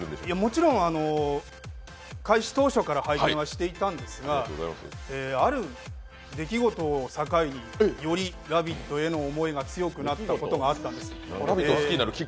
もちろん開始当初から拝見はしていたんですがある出来事を境により「ラヴィット！」への思いが強くなったことがあったんです。